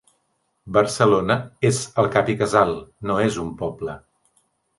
Barcelona és el cap i casal, no és un poble.